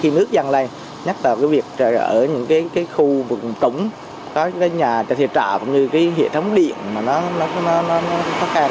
khi nước gian lây nhắc vào việc ở những khu vực trống có nhà trợ thiệt trợ cũng như cái hệ thống điện mà nó phát an